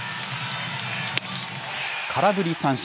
空振り三振。